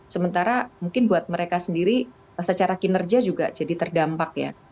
sementara mungkin buat mereka sendiri secara kinerja juga jadi terdampak ya